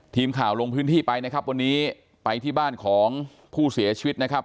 ทีมข่าวลงพื้นที่ไปนะครับวันนี้ไปที่บ้านของผู้เสียชีวิตนะครับ